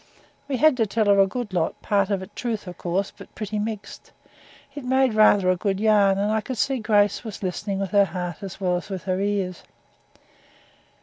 We had to tell her a good lot, part of it truth, of course, but pretty mixed. It made rather a good yarn, and I could see Grace was listening with her heart as well as her ears.